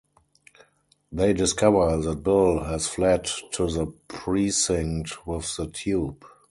They discover that Bill has fled to the precinct with the tube.